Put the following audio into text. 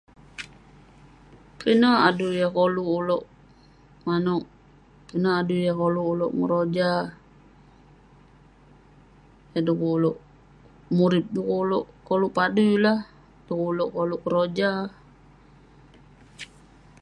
Pinek adui yah koluk ulouk manouk, pinek adui yah koluk ulouk ngeroja. Yah dekuk ulouk murip, dekuk ulouk koluk padui lah, dekuk ulouk koluk keroja.